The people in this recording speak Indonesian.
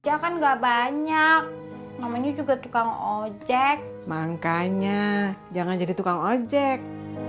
jangan enggak banyak namanya juga tukang ojek makanya jangan jadi tukang ojek